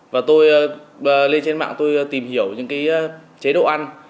và tôi lên trên mạng tôi tìm hiểu những chế độ ăn